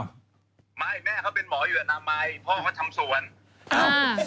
ไม่แม่เขาเป็นหมออยู่อนามัยพ่อเขาทำสวนอ้าว